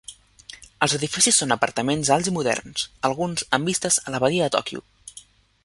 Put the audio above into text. Els edificis són apartaments alts i moderns, alguns amb vistes a la Badia de Tòquio.